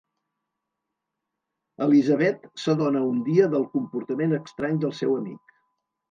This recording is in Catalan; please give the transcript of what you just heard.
Elizabeth s'adona un dia del comportament estrany del seu amic.